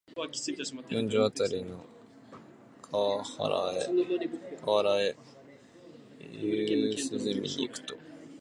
四条あたりの河原へ夕涼みに行くと、